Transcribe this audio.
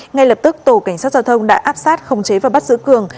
ngay lập tức tổ cảnh sát giao thông đã áp sát khống chế và bắt giữ cường